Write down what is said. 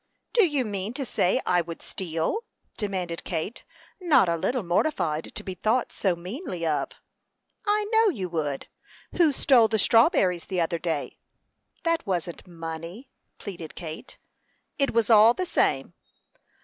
"Do you mean to say I would steal?" demanded Kate, not a little mortified to be thought so meanly of. "I know you would. Who stole the strawberries the other day?" "That wasn't money," pleaded Kate. "It was all the same."